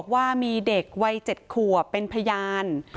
ว่ามีเด็กวัย๗ขวบเป็นพยาน